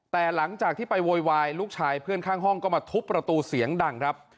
แต่หลังจากที่ไปโวยวายลูกชายเพื่อนข้างห้องก็มาทุบประตูเสียงดังครับ